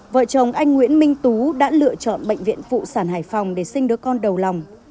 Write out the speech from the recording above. vợ chồng anh nguyễn minh tú đã lựa chọn bệnh viện phụ sản hải phòng để sinh đứa con đầu lòng